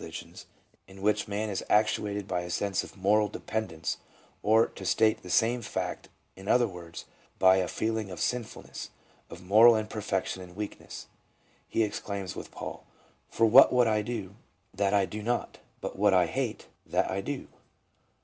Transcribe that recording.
321 ligions, in which man is actuated by a sense of moral de pendence, or, to state the same fact in other words, by a feeling of sinfulness, of moral imperfection and weakness ; he exclaims with Paul :" For what I would, that do I not ; but what I hate, that do I."